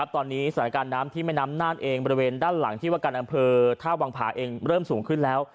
ตอนนี้ศาลการณ์น้ำที่แม่น้ำน่านเองบริเวณด้านหลังที่วบถ้าวางผล์เองเริ่มสูงขึ้นแล้ว